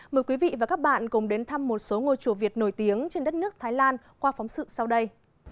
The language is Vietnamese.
mời quý vị và các bạn cùng đến thăm một số ngôi chùa việt nổi tiếng trên đất nước thái lan qua phóng sự sau đây